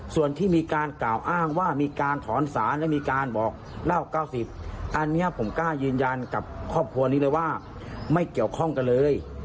ส่วนที่มีการกล่าวอ้างว่ามีการถอนสารและมีการบอกเล่า๙๐อันนี้ผมกล้ายืนยันกับครอบครัวนี้เลยว่าไม่เกี่ยวข้องกันเลย